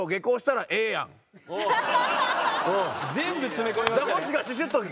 全部詰め込みましたね。